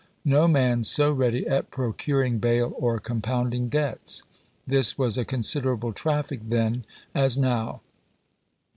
No man so ready at procuring bail or compounding debts. This was a considerable traffic then, as now.